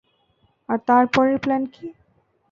আর তারপরের প্ল্যান কী?